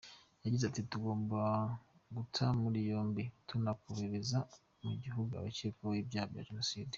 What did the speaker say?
Yagize ati “Tugomba guta muri yombi, tukanohereza mu gihugu abakekwaho ibyaha bya Jenoside.